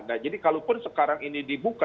nah jadi kalau pun sekarang ini dibuka